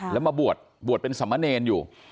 แล้วมาบวชบวชเป็นสมเนรอยู่